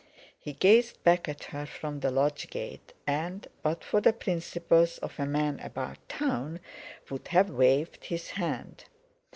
He gazed back at her from the lodge gate, and, but for the principles of a man about town, would have waved his hand.